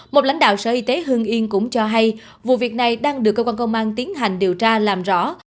một lãnh đạo sở y tế hương yên cũng cho hay vụ việc này đang được cơ quan công an tiến hành điều tra làm rõ